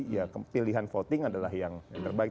ya pilihan voting adalah yang terbaik